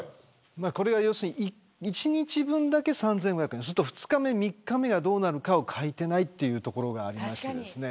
これは１日分だけ３５００円で２日目、３日目がどうなるかを書いていないというところがあります。